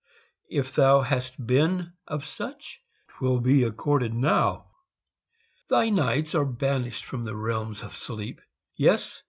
if thou Hast been of such, 'twill be accorded now. Thy nights are banished from the realms of sleep: Yes!